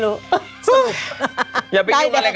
ลุรู้ไม่รู้